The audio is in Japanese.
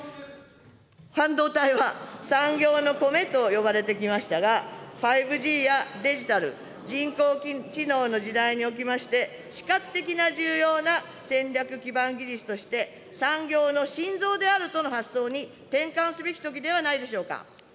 半導体は産業のコメと呼ばれてきましたが、５Ｇやデジタル、人工知能の時代におきまして、死活的な重要な戦略基盤技術として、産業の心臓であるとの発想に転換すべき時ではないでしょうか。